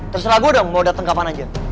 terserah gue dong mau dateng kapan aja